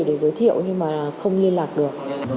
tôi có thể giới thiệu nhưng mà không liên lạc được